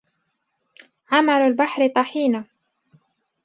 عمل البحر طحينة